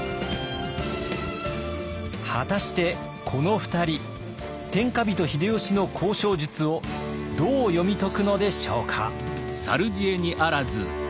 果たしてこの２人天下人秀吉の交渉術をどう読み解くのでしょうか？